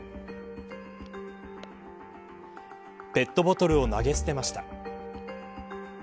ペットボトルを投げ捨てました。